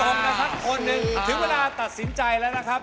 ไม่มีตรงนะครับคนหนึ่งถือเวลาตัดสินใจแล้วนะครับ